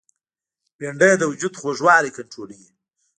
بېنډۍ د وجود خوږوالی کنټرولوي